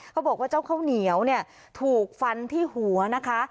บอกว่าเจ้าข้าวเหนียวเนี่ยถูกฟันที่หัวนะคะ